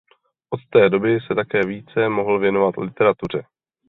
Od té doby se také více mohl věnovat literatuře.